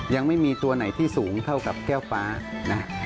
ยังไม่มีตัวไหนที่สูงเท่ากับแก้วฟ้านะ